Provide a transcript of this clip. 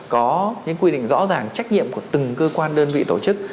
có những quy định rõ ràng trách nhiệm của từng cơ quan đơn vị tổ chức